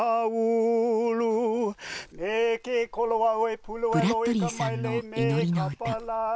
ブラッドリーさんの祈りの歌。